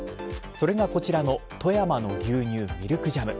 それがこちらのとやまの牛乳みるくジャム。